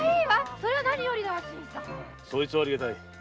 それはありがたい。